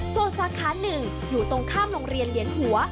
ส่วนสาขา๑อยู่ตรงข้ามโรงเรียนเหลียนหัว